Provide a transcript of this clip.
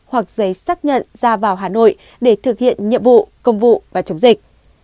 hoặc giấy xác nhận ra vào hà nội để thực hiện nhiệm vụ công vụ và chống dịch